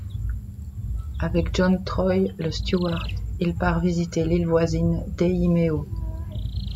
Avec John Troy, le steward, il part visiter l'île voisine d'Eiméo.